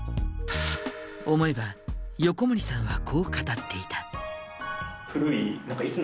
思えば横森さんはこう語っていた。